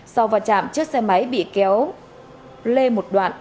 sau va chạm chiếc xe máy bị kéo lê một đoạn